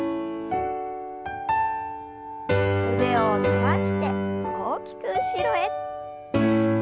腕を伸ばして大きく後ろへ。